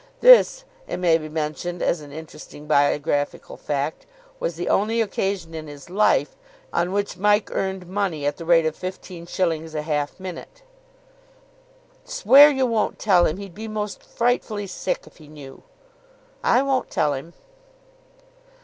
(This, it may be mentioned as an interesting biographical fact, was the only occasion in his life on which Mike earned money at the rate of fifteen shillings a half minute.) "Swear you won't tell him. He'd be most frightfully sick if he knew." "I won't tell him."